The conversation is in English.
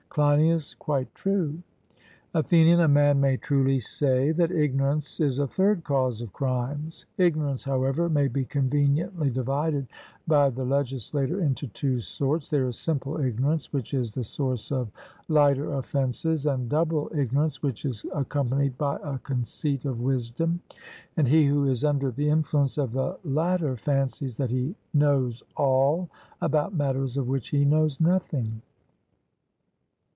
CLEINIAS: Quite true. ATHENIAN: A man may truly say that ignorance is a third cause of crimes. Ignorance, however, may be conveniently divided by the legislator into two sorts: there is simple ignorance, which is the source of lighter offences, and double ignorance, which is accompanied by a conceit of wisdom; and he who is under the influence of the latter fancies that he knows all about matters of which he knows nothing.